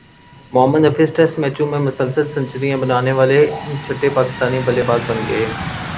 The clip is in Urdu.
محمدحفیظ ٹیسٹ میچوں میں مسلسل سنچریاںبنانیوالے چھٹے پاکستانی بلے باز بن گئے